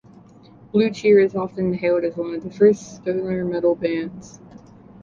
Blue Cheer is often hailed as one of the first stoner metal bands.